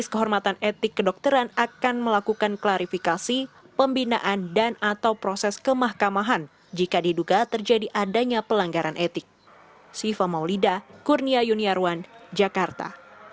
sifamau lida kurnia yuniarwan jakarta